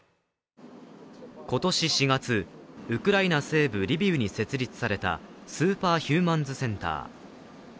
今年４月、ウクライナ西部リビウに設立されたスーパーヒューマンズセンター。